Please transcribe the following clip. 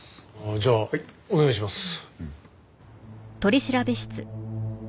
じゃあお願いします。